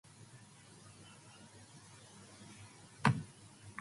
Their mission sent them to battle the Falcon in order to steal his suit.